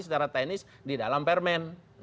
setara tenis di dalam permen